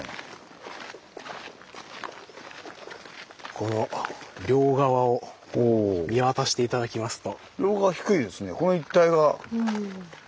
この両側を見渡して頂きますと。